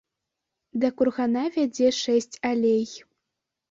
Да кургана вядзе шэсць алей.